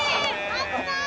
あった！」